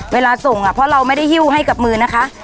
เวลาส่งเพราะเราไม่ได้หิ้วให้กับมือนะคะ